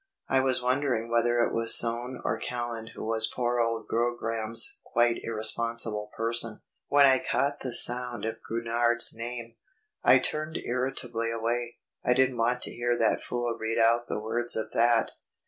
I was wondering whether it was Soane or Callan who was poor old Grogram's "quite irresponsible person," when I caught the sound of Gurnard's name. I turned irritably away. I didn't want to hear that fool read out the words of that....